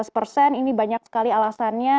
lima belas persen ini banyak sekali alasannya